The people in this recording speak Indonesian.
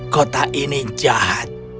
kota ini jahat